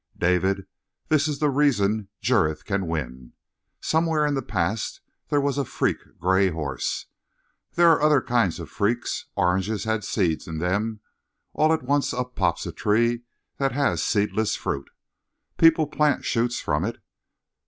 "David, this is the reason Jurith can win. Somewhere in the past there was a freak gray horse. There are other kinds of freaks; oranges had seeds in 'em; all at once up pops a tree that has seedless fruit. People plant shoots from it.